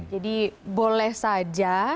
jadi boleh saja